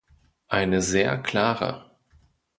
Eine sehr klare.